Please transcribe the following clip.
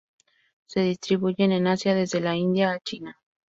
Se distribuyen en Asia, desde la India a China.